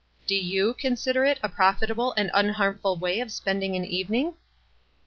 " Do you consider it a profitable and unharm ful way of spending an evening?"